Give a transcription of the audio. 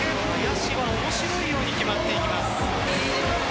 林は面白いように決まっています。